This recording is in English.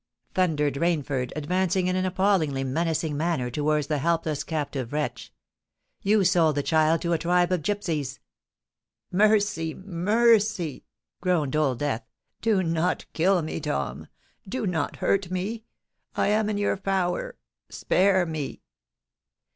thundered Rainford, advancing in an appallingly menacing manner towards the helpless, captive wretch. "You sold the child to a tribe of gipsies——" "Mercy! mercy!" groaned Old Death. "Do not kill me, Tom—do not hurt me! I am in your power—spare me!"